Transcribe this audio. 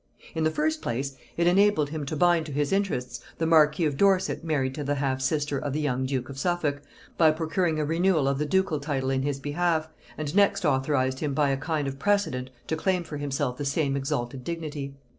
In the first place it enabled him to bind to his interests the marquis of Dorset married to the half sister of the young duke of Suffolk, by procuring a renewal of the ducal title in his behalf, and next authorized him by a kind of precedent to claim for himself the same exalted dignity.